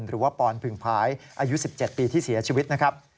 หรือว่าปอนพึ่งผายอายุ๑๗ปีที่เสียชีวิตนะครับ